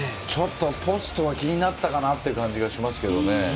ポストが気になったかなという感じがしますけどね。